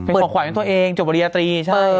ของขวัญของตัวเองจบบริญญาตรี